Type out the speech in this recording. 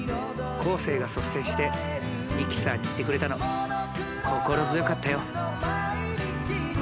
生が率先してミキサーに行ってくれたの心強かったよ。